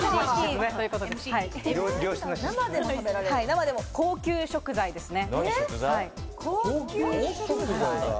生でも高級食材ですね。